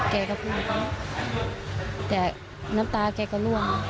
แกก็พูดแต่น้ำตาแกก็ล่วง